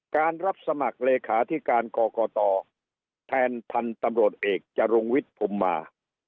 การรับสมัครเลขาที่การก่อก่อต่อแทนทันตำรถเอกจรุงวิทย์พุมมา